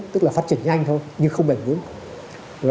tức là phát triển nhanh thôi nhưng không bền vững